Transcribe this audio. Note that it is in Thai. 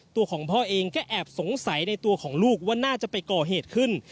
ตัวของพ่อเองก็แอบสงสัยในตัวของลูกว่าน่าจะไปก่อเหตุขึ้น